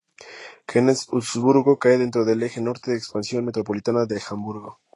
Henstedt-Ulzburgo cae dentro del eje norte de expansión metropolitana de Hamburgo.